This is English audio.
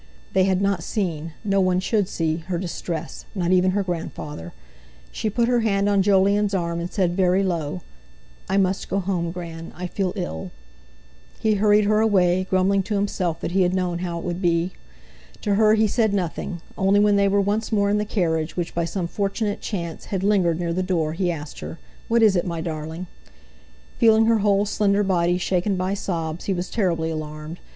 They had not seen—no one should see—her distress, not even her grandfather. She put her hand on Jolyon's arm, and said very low: "I must go home, Gran; I feel ill." He hurried her away, grumbling to himself that he had known how it would be. To her he said nothing; only when they were once more in the carriage, which by some fortunate chance had lingered near the door, he asked her: "What is it, my darling?" Feeling her whole slender body shaken by sobs, he was terribly alarmed.